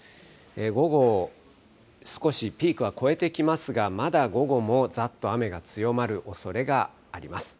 午後、少しピークはこえてきますが、まだ午後もざっと雨が強まるおそれがあります。